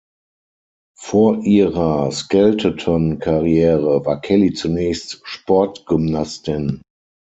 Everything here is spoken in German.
Vor ihrer Skelteton-Karriere war Kelly zunächst Sportgymnastin.